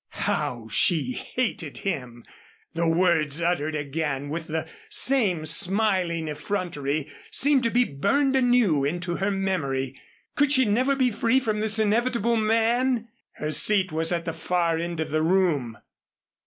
How she hated him! The words uttered again with the same smiling effrontery seemed to be burned anew into her memory. Could she never be free from this inevitable man? Her seat was at the far end of the room.